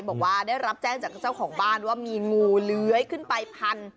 บอกว่าได้รับแจ้งจากเจ้าของบ้านว่ามีงูเลื้อยขึ้นไปพัน